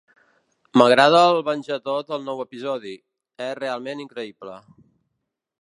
M'agrada el venjador del nou episodi; és realment increïble.